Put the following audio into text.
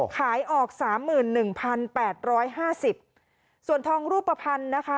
ขายออกสามหมื่นหนึ่งพันแปดร้อยห้าสิบส่วนทองรูปภัณฑ์นะคะ